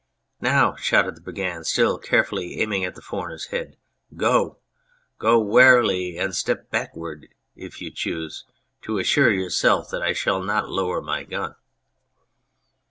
"Now," shouted the Brigand, still carefully aiming at the foreigner's head, " go ! Go warily, and step backward if you choose, to assure yourself that I shall not lower my gun."